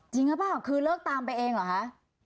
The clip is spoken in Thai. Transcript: จริงหรือเปล่าคือเลิกตามไปเองเหรอคะ